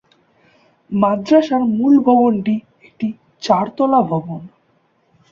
মাদ্রাসার মূল ভবনটি একটি চারতলা ভবন।